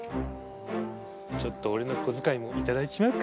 ちょっと俺の小遣いも頂いちまうか。